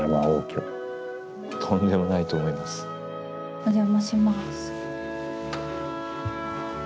お邪魔します。